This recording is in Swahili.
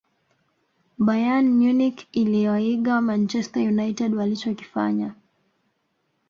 bayern munich iliwaiga manchester united walichokifanya